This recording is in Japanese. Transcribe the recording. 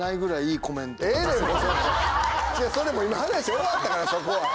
それもう今話終わったからそこは。